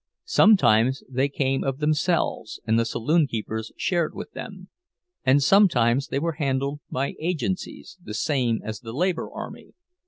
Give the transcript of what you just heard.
Sometimes they came of themselves, and the saloon keepers shared with them; or sometimes they were handled by agencies, the same as the labor army.